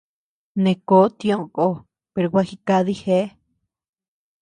Neʼë kó tiʼö ko, per gua jikadi geá.